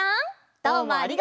どうもありがとう！